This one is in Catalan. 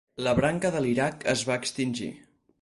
La branca de l'Iraq es va extingir.